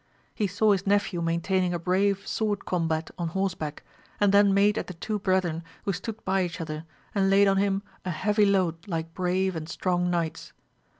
He saw his nephew maintaining a brave sword combat on horseback, and then made at the two brethren who stood by each other, and laid on him a heavy load like brave and strong knights.